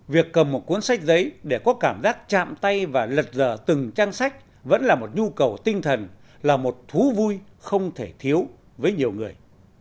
việc cầm một cuốn sách giấy để có cảm giác chạm tay và lật dở từng trang sách vẫn là một nhu cầu tinh thần là một thú vui không thể thiếu với nhiều người